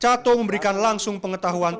chateau memberikan langsung pengetahuan tentang